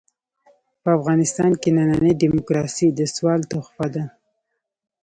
په افغانستان کې ننۍ ډيموکراسي د سوال تحفه ده.